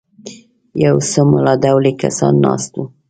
یو څو ملا ډولي کسان ناست وو.